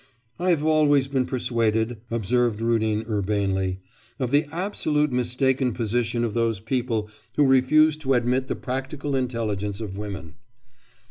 'I have always been persuaded,' observed Rudin urbanely, 'of the absolutely mistaken position of those people who refuse to admit the practical intelligence of women.